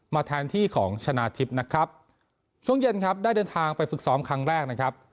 แทนที่ของชนะทิพย์นะครับช่วงเย็นครับได้เดินทางไปฝึกซ้อมครั้งแรกนะครับ